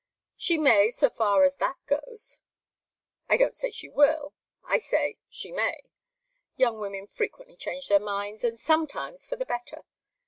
She may, so far as that goes. I don't say she will. I say, she may. Young women frequently change their minds, and sometimes for the better.